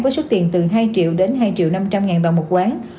với số tiền từ hai triệu đến hai triệu năm trăm linh ngàn đồng một quán